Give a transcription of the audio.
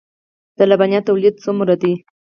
د لبنیاتو تولیدات څومره دي؟